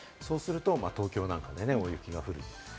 そうすると東京なんかで大雪が降る。